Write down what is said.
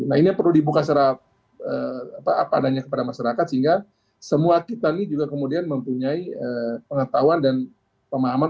nah ini perlu dibuka pada masyarakat sehingga semua kita ini juga kemudian memiliki pengetahuan dan pemahaman